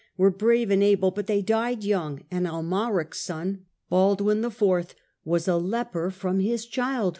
were brave and able, but they died young, and m., Amalric's son, Baldwin IV., was a leper from his child